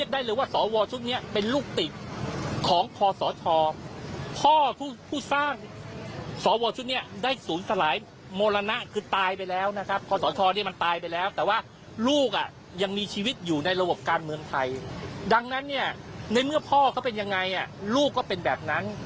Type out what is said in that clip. ดังนั้นเนี่ยในเมื่อพ่อเขาเป็นยังไงลูกก็เป็นแบบนั้น